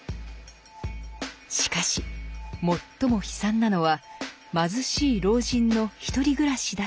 しかし最も悲惨なのは貧しい老人の独り暮らしだといいます。